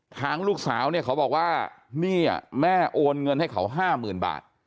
ทางลูกสาวเนี่ยเขาบอกว่านี่แม่โอนเงินให้เขา๕๐๐๐บาท